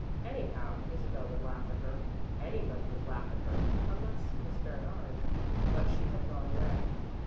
Anyhow, Isabel would laugh at her. Anybody would laugh at her unless Miss Bernard but she had gone away.